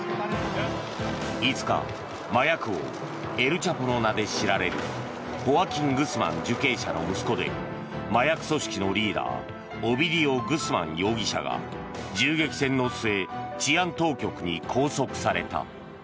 ５日、麻薬王エル・チャポの名で知られるホアキン・グスマン受刑者の息子で麻薬組織のリーダーオビディオ・グスマン容疑者が銃撃戦の末治安当局に拘束された。